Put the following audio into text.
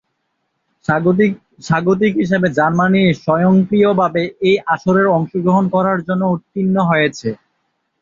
স্বাগতিক হিসেবে জার্মানি স্বয়ংক্রিয়ভাবে এই আসরের অংশগ্রহণ করার জন্য উত্তীর্ণ হয়েছে।